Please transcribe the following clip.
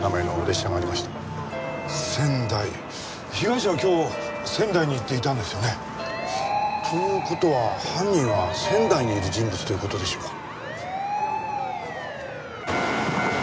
被害者は今日仙台に行っていたんですよね？という事は犯人は仙台にいる人物という事でしょうか？